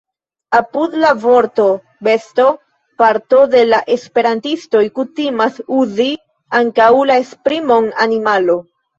Apud la vorto „besto” parto de la esperantistoj kutimas uzi ankaŭ la esprimon „animalo”.